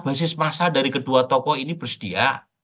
basis masa dari kedua tokoh ini bersedia